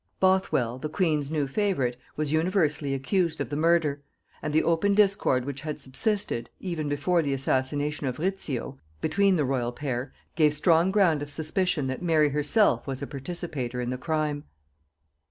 Bothwell, the queen's new favorite, was universally accused of the murder; and the open discord which had subsisted, even before the assassination of Rizzio, between the royal pair, gave strong ground of suspicion that Mary herself was a participator in the crime.